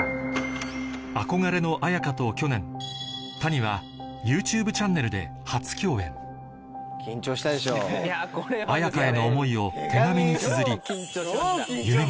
憧れの絢香と去年 Ｔａｎｉ は ＹｏｕＴｕｂｅ チャンネルで初共演絢香への思いを手紙につづり